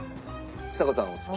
ちさ子さんはお好き？